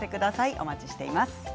お待ちしています。